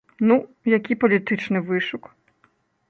Ну, які палітычны вышук?